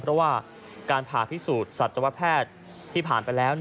เพราะว่าการผ่าพิสูจน์สัตวแพทย์ที่ผ่านไปแล้ว